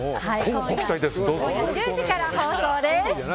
今夜１０時から放送です。